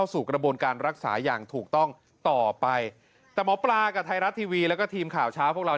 สู้กระสุนนับอันทีของภูมิของผู้ชายชีวิตท่านหนึ่ง